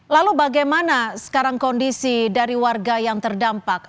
lalu bagaimana sekarang kondisi dari warga yang terdampak